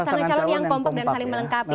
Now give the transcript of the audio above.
pasangan calon yang kompak dan saling melengkapi